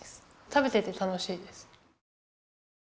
食べてて楽しいです。